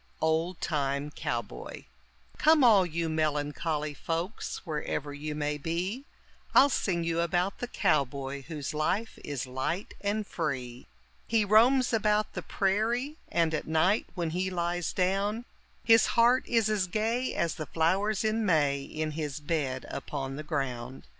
OLD TIME COWBOY Come all you melancholy folks wherever you may be, I'll sing you about the cowboy whose life is light and free. He roams about the prairie, and, at night when he lies down, His heart is as gay as the flowers in May in his bed upon the ground.